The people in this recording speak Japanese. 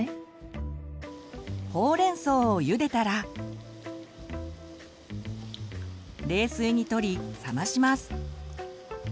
ほうれんそうをゆでたら冷水にとり冷まします。